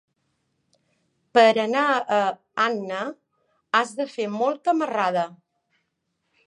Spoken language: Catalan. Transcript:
Per anar a Anna has de fer molta marrada.